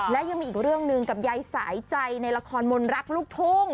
และยังมีอีกเรื่องหนึ่งกับยายสายใจในละครมนรักลูกทุ่ง